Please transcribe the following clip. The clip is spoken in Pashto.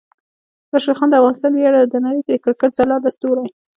راشد خان د افغانستان ویاړ او د نړۍ د کرکټ ځلانده ستوری